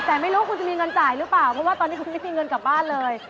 แต่ไม่รู้คุณจะมีเงินจ่ายหรือเปล่าเพราะว่าตอนนี้คุณไม่มีเงินกลับบ้านเลย